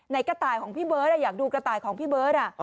กระต่ายของพี่เบิร์ตอยากดูกระต่ายของพี่เบิร์ต